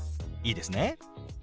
いいですね？